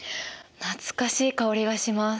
懐かしい香りがします。